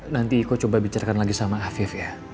nanti kau coba bicarakan lagi sama afif ya